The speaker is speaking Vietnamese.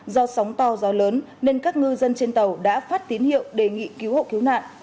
do sóng to gió lớn nên các ngư dân trên tàu đã phát tín hiệu đề nghị cứu hộ cứu nạn